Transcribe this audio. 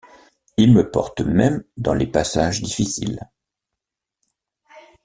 Il me porte même dans les passages difficiles.